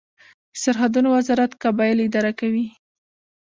د سرحدونو وزارت قبایل اداره کوي